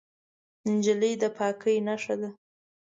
نجلۍ د پاکۍ نښه ده.